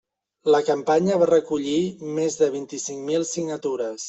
La campanya va recollir més de vint-i-cinc mil signatures.